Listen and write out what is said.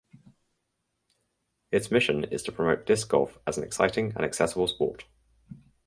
Its mission is to promote disc golf as an exciting and accessible sport.